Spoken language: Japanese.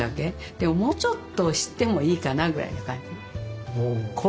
でももうちょっと知ってもいいかなぐらいな感じ。